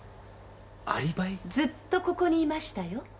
ずっとここにいましたよ。